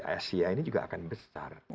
berarti kb asia ini juga akan besar